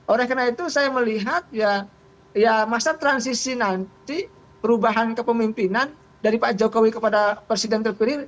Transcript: oleh karena itu saya melihat ya masa transisi nanti perubahan kepemimpinan dari pak jokowi kepada presiden terpilih